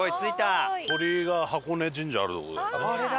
富澤：鳥居が箱根神社ある所だよね。